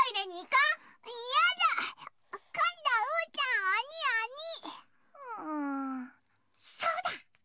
うんそうだ！